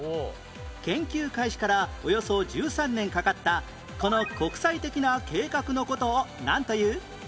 研究開始からおよそ１３年かかったこの国際的な計画の事をなんという？